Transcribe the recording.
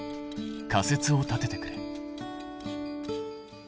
仮説を立ててくれ。